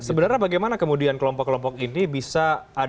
sebenarnya bagaimana kemudian kelompok kelompok ini bisa